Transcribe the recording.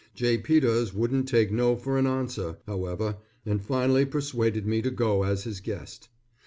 J. Peters wouldn't take no for an answer, however, and finally persuaded me to go as his guest.